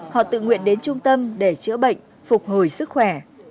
họ tự nguyện đến trung tâm để chữa bệnh phục hồi sức khỏe